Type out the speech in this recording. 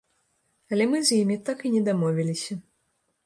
Але мы з імі так і не дамовіліся.